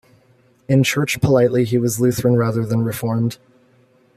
In church polity he was Lutheran rather than Reformed.